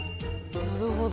なるほど。